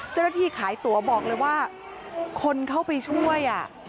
เจ้าหน้าที่ขายตัวบอกเลยว่าคนเข้าไปช่วย